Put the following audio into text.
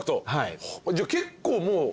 じゃあ結構もう。